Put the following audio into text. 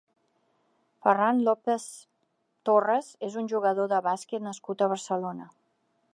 Ferran López Torras és un jugador de bàsquet nascut a Barcelona.